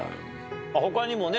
他にもね